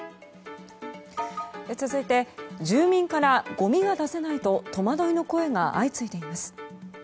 続いて、住民からごみが出せないと戸惑いの声が相次いでいます。